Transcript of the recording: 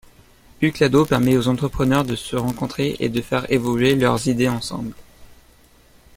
Ukhadlo permet aux entrepreneurs de se rencontrer et de faire évoluer leurs idées ensemble.